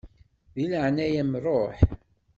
Di leɛnaya-m ṛuḥ!